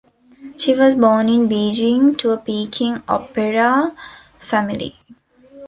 She was born in Beijing to a Peking opera family.